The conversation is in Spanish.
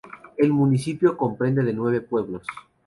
El municipio comprende nueve pueblos.